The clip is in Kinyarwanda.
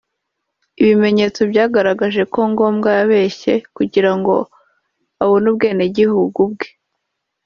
Ibimenyetso byagaragaje ko Ngombwa yabeshye kugira ngo abone ubwenegihugu bwe